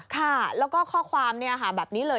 ค่ะแล้วก็ข้อความแบบนี้เลย